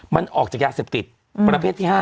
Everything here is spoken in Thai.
มันออกจากยาเสพติดประเภทที่๕